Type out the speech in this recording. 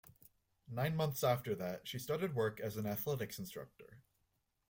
Nine months after that she started work as an athletics instructor.